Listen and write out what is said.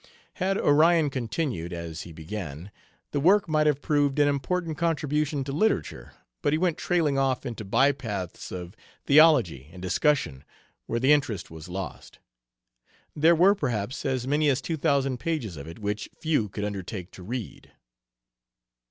Had Onion continued, as he began, the work might have proved an important contribution to literature, but he went trailing off into by paths of theology and discussion where the interest was lost. There were, perhaps, as many as two thousand pages of it, which few could undertake to read.